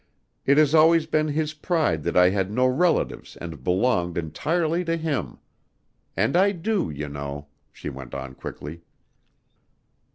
It has always been his pride that I had no relatives and belonged entirely to him. And I do, you know," she went on quickly.